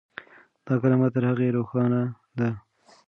دا کلمه تر هغې روښانه ده.